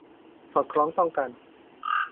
สอดคล้องต้องกัน